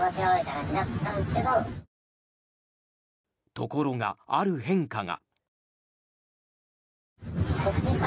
ところが、ある変化が。